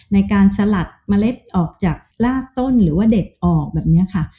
ในการสลัดเมล็ดออกจากลากต้นหรือว่าเด็ดออกแบบนี้ค่ะ